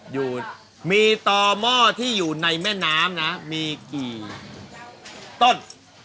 อยู่มีต่อหม้อที่อยู่ในแม่น้ำนะมีกี่ต้น